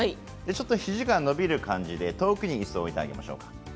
ひじが伸びる感じで遠くにいすを置いてあげましょう。